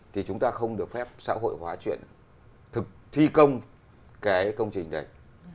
thì chúng ta không được phép xã hội hóa chuyện thi công cái công trình này